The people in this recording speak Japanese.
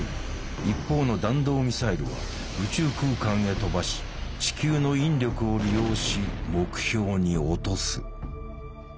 一方の弾道ミサイルは宇宙空間へ飛ばし地球の引力を利用し目標に落とす。